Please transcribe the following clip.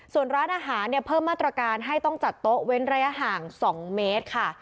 ส่วนร้านอาหารเนี่ยเพิ่มมาตรการให้ต้องจัดโต๊ะเว้นระยะห่าง๒เมตรค่ะ